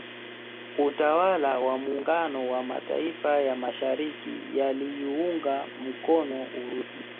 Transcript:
Utawala wa muungano wa Mataifa ya mashariki yaliiunga mkono Urusi